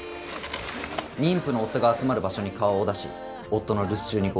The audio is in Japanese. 妊婦の夫が集まる場所に顔を出し夫の留守中に強盗を行う。